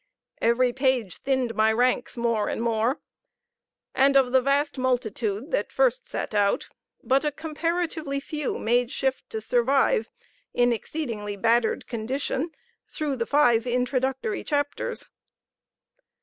Every page thinned my ranks more and more; and of the vast multitude that first set out, but a comparatively few made shift to survive, in exceedingly battered condition, through the five introductory chapters.